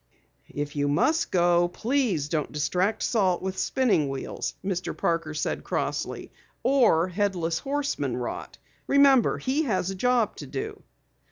"If you must go, please don't distract Salt with spinning wheels," Mr. Parker said crossly. "Or Headless Horseman rot. Remember, he has a job to do."